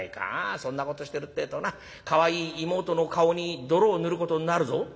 そんなことしてるってえとなかわいい妹の顔に泥を塗ることになるぞ」。